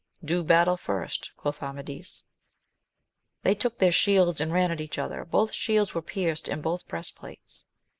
Do battle first, quoth Amadis. They took their shields and ran at each other; both shields were pierced and both breast plates.